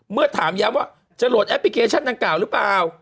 เมื่อถามย้ำว่าจะโหลดแอปพลิเคชันดังกล่าวหรือเปล่า